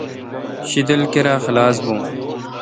شدل کیرا خلاس بھون۔